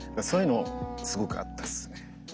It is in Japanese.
そういうのすごくあったっすね。